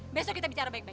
besok kita bicara baik baik